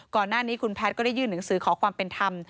ก่อนหน้านี้คุณแพทย์ก็ได้ยื่นหนังสือขอความเป็นธรรม